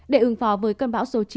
để ứng phó với cơn bão số chín